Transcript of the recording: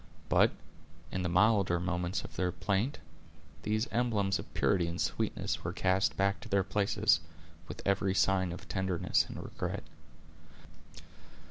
But, in the milder moments of their plaint, these emblems of purity and sweetness were cast back to their places, with every sign of tenderness and regret.